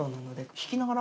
弾きながら？